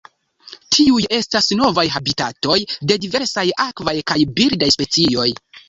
Tiuj estas novaj habitatoj de diversaj akvaj kaj birdaj specioj.